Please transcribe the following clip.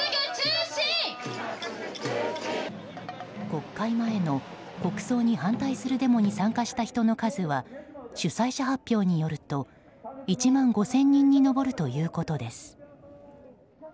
国会前の国葬に反対するデモに参加した人の数は主催者発表によると１万５０００人に上るということです。